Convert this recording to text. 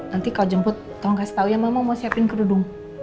nanti kalau jemput tolong kasih tau ya mama mau siapin kerudung